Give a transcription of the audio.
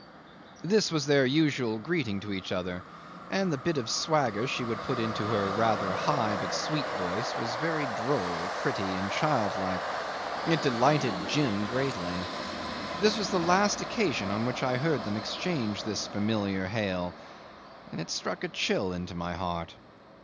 'This was their usual greeting to each other, and the bit of swagger she would put into her rather high but sweet voice was very droll, pretty, and childlike. It delighted Jim greatly. This was the last occasion on which I heard them exchange this familiar hail, and it struck a chill into my heart.